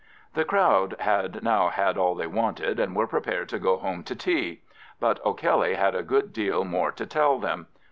The crowd had now had all they wanted and were prepared to go home to tea, but O'Kelly had a good deal more to tell them.